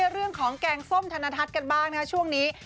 เรื่องของแกงส้มธนทัศน์กันบ้างนะช่วงนี้